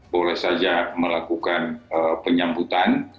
boleh saja melakukan penyambutan